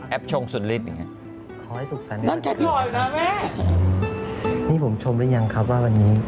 แอบชงสุดฤทธิ์อย่างนี้